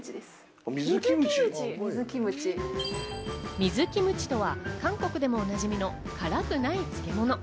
水キムチとは、韓国でもおなじみの辛くない漬物。